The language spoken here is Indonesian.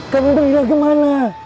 kamu pergi kemana